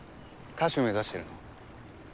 歌手目指してるの？